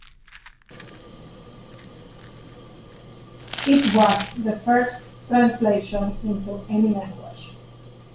It was the first translation into any language.